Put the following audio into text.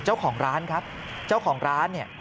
เจ้าของร้านครับเจ้าของร้านเนี่ย